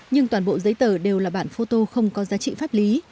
nhưng toàn bộ giấy tờ đều là bản phô tô không có giá trị pháp lý